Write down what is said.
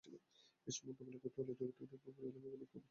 এসব মোকাবিলা করতে হলে দুর্ঘটনাপ্রবণ এলাকাগুলোকে একীভূত করতে হবে।